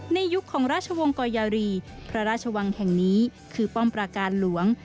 ยุคของราชวงศ์กอยารีพระราชวังแห่งนี้คือป้อมประการหลวง